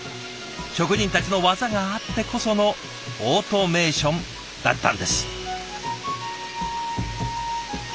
職人たちの技があってこそのオートメーションだったんです。